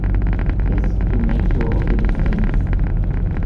Yes; to make sure of the distance.